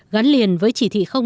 gắn liền với chỉnh đốn đảng